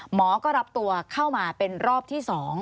หมอก็รับตัวเข้ามาเป็นรอบที่๒